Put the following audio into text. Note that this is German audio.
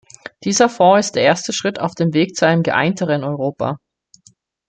Dieser Fonds ist der erste Schritt auf dem Weg zu einem geeinteren Europa.